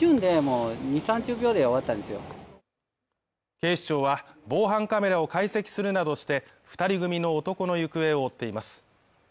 警視庁は防犯カメラを解析するなどして、２人組の男の行方を追っています。